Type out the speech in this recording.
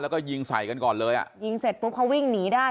แล้วก็ยิงใส่กันก่อนเลยอ่ะยิงเสร็จปุ๊บเขาวิ่งหนีได้